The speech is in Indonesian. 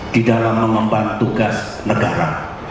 di dalam mengemban tugas negara